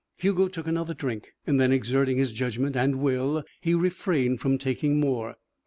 Hugo took another drink, and then, exerting his judgment and will, he refrained from taking more.